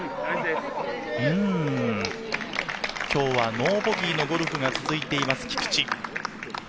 今日はノーボギーのゴルフが続いています、菊地。